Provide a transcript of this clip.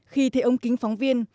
khi thấy ông kính phóng viên